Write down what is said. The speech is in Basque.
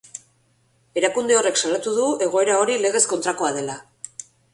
Erakunde horrek salatu du egoera hori legez kontrakoa dela.